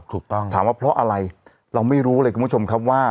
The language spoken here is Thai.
ถูกต้องถามว่าเพราะอะไรเราไม่รู้เลยคุณผู้ชมครับว่า